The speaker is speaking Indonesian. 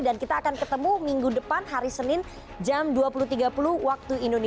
dan kita akan ketemu minggu depan hari senin jam dua puluh tiga puluh wib